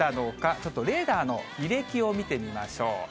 ちょっとレーダーの履歴を見てみましょう。